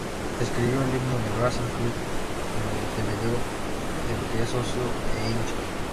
Escribió el himno del Racing Club de Montevideo, del que es socio e hincha.